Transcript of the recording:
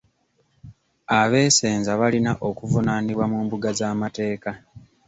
Abeesenza balina okuvunaanibwa mu mbuga z'amateeka.